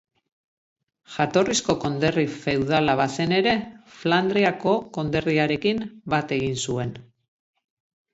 Jatorrizko konderri feudala bazen ere, Flandriako konderriarekin bat egin zuen.